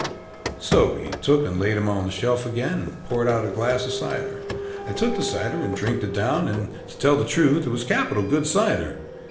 So he took and laid 'em on the shelf again, and poured out a glass of cider. I took the cider and drinkt it down, and, to tell the truth, it was capital good cider.